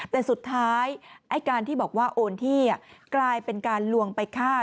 แต่สุดท้ายไอ้การที่บอกว่าโอนที่กลายเป็นการลวงไปฆ่า